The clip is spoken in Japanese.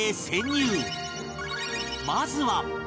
まずは